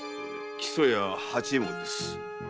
木曽屋八右衛門です。